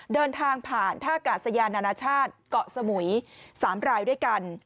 เดินทางผ่านท่ากาศยานานาชาติเกาะสมุย๓รายด้วยกัน